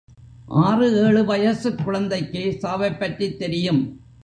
ஆறு ஏழு வயசுக் குழந்தைக்கே சாவைப் பற்றித் தெரியும்.